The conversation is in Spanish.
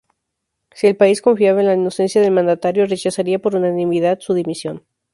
Si "el país" confiaba en la inocencia del mandatario, rechazaría por unanimidad su dimisión.